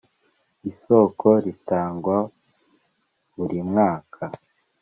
isoko ritangwa burimwaka.